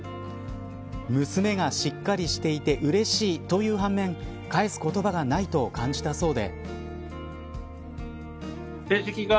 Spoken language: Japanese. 娘がしっかりしていてうれしいという反面返す言葉がないと感じたそうで。